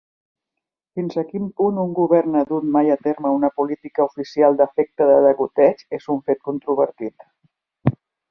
Fins a quin punt un govern ha dut mai a terme una política oficial d'efecte de degoteig és un fet controvertit.